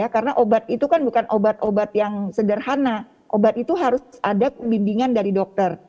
karena obat itu kan bukan obat obat yang sederhana obat itu harus ada pembimbingan dari dokter